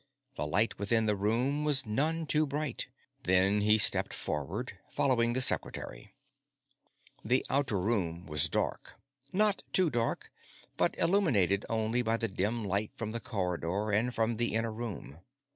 The light within the room was none too bright. Then he stepped forward, following the Secretary. The outer room was dark. Not too dark, but illuminated only by the dim light from the corridor and from the inner room.